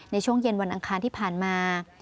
ในช่วงเย็นวันอังคารที่ผ่านมา